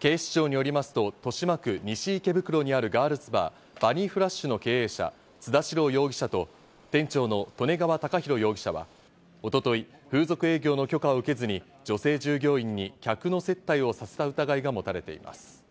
警視庁によりますと、豊島区西池袋にあるガールズバー・ＢｕｎｎｙＦｌａｓｈの経営者・津田志郎容疑者と、店長の利根川貴弘容疑者は一昨日、風俗営業の許可を受けずに、女性従業員に客の接待をさせた疑いが持たれています。